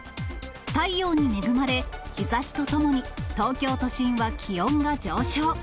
太陽に恵まれ、日ざしとともに東京都心は気温が上昇。